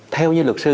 theo như luật sư